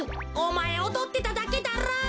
おまえおどってただけだろ？